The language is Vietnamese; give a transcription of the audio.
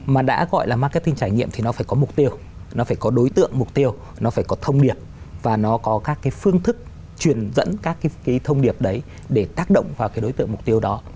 mà đã gọi là marketing trải nghiệm thì nó phải có mục tiêu nó phải có đối tượng mục tiêu nó phải có thông điệp và nó có các cái phương thức truyền dẫn các cái thông điệp đấy để tác động vào cái đối tượng mục tiêu đó